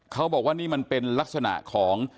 เขาบอกว่านี่มันเป็นลักษณะของ